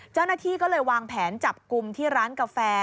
เจ้าหน้าที่ก็เลยวางแผนจับกลุ่มที่ร้านกาแฟ